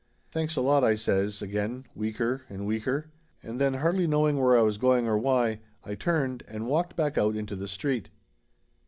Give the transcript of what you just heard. "Thanks a lot," I says again, weaker and weaker. And then, hardly knowing where I was going or why, I turned and walked back out into the street.